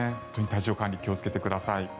体調管理気をつけてください。